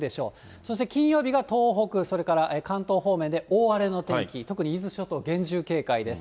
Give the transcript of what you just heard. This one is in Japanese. そして金曜日が東北、それから関東方面で大荒れの天気、特に伊豆諸島、厳重警戒です。